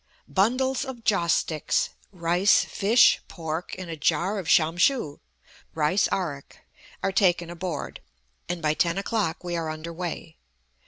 Bundles of joss sticks, rice, fish, pork, and a jar of samshoo (rice arrack) are taken aboard, and by ten o'clock we are underway.